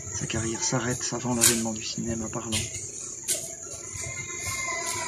Sa carrière s'arrête avant l'avènement du cinéma parlant.